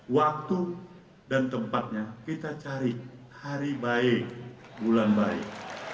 waktu dan tempatnya kita cari hari baik bulan baik